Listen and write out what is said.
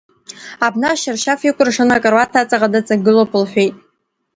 Абна ашьаршьаф икәыршаны, акаруаҭ аҵаҟа дыҵагылоуп, — лҳәеит.